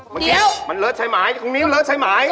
เดี๋ยวมันเลอะใช่ไหมตรงนี้มันเลอะใช่ไหม